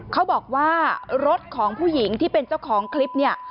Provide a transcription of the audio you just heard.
เขาบอกว่ารถของผู้หญิงที่เป็นเจ้าของคลิปเนี่ย